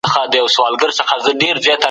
د څارویو پوستکي څنګه کارېدل؟